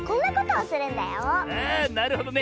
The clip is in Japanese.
あなるほどね。